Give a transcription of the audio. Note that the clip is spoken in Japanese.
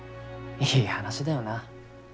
いい話だよな。